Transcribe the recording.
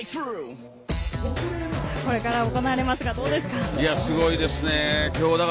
これから行われますがどうですか？